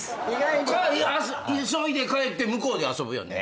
急いで帰って向こうで遊ぶよね？